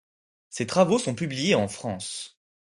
Ses travaux sont publiés en France.